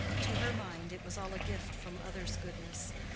To her mind it was all a gift from others' goodness.